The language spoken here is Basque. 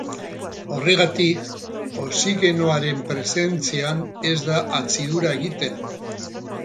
Horregatik oxigenoaren presentzian ez da hartzidura egiten.